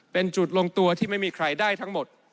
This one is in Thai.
เป็นจุดลงตัวที่ไม่มีใครได้ทั้งหมด